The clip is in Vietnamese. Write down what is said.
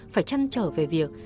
phải chăn trở về việc